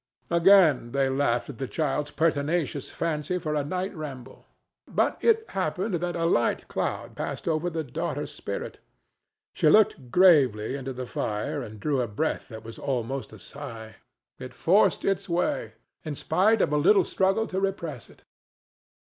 Again they laughed at the child's pertinacious fancy for a night ramble. But it happened that a light cloud passed over the daughter's spirit; she looked gravely into the fire and drew a breath that was almost a sigh. It forced its way, in spite of a little struggle to repress it.